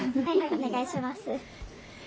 お願いします。